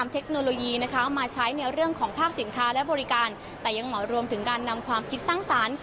เทคโนโลยีนะคะมาใช้ในเรื่องของภาพสินค้าและบริการแต่ยังเหมาะรวมถึงการนำความคิดสร้างสรรค์